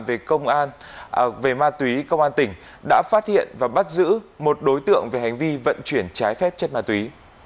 về ma túy công an tỉnh đã phát hiện và bắt giữ một đối tượng về hành vi vận chuyển trái phép chất ma túy